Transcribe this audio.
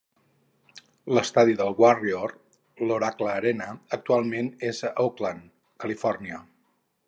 L'estadi dels Warrior, l'Oracle Arena, actualment és a Oakland, Califòrnia.